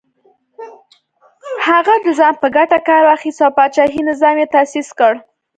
هغه د ځان په ګټه کار واخیست او پاچاهي نظام یې تاسیس کړ.